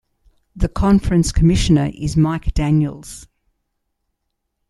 The conference commissioner is Mike Daniels.